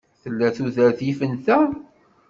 Tella tudert yifen ta?